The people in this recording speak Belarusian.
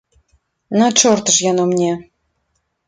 На чорта ж яно мне?